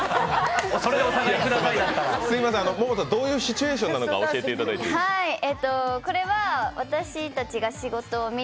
百田さん、どういうシチュエーションなのか教えていただけますか？